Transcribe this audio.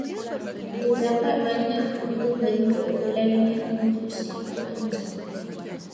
Terdapat banyak rupa bentuk berlainan untuk ekor anjing.